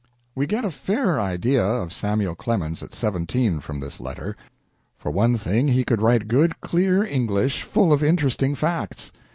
We get a fair idea of Samuel Clemens at seventeen from this letter. For one thing, he could write good, clear English, full of interesting facts.